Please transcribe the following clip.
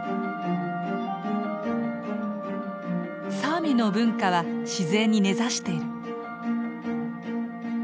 サーミの文化は自然に根ざしている。